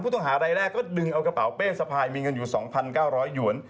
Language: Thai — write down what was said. ต้องหารายแรกก็ดึงเอากระเป๋าเป้สะพายมีเงินอยู่๒๙๐๐หยวน